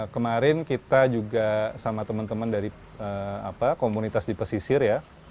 kemarin kita juga sama teman teman dari komunitas di pesisir ya